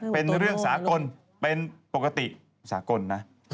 เป็นเรื่องสากลเป็นปกติสากลนะ